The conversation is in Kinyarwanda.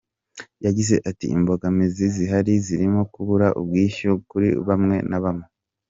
Yagize ati “Imbogamizi zihari zirimo kubura ubwishyu kuri bamwe na bamwe.